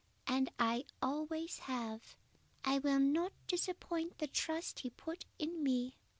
And I always have. I will not disappoint the trust he put in me.